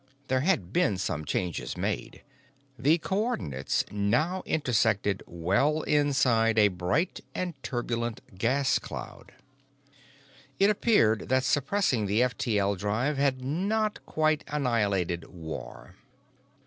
There had been some changes made: the co ordinates now intersected well inside a bright and turbulent gas cloud. It appeared that suppressing the F T L drive had not quite annihilated war.